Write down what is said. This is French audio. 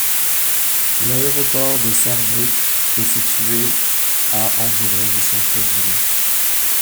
L'aéroport de Sarrebruck est situé à environ du centre-ville.